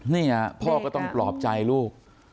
นี่พ่อก็ต้องปลอบใจลูก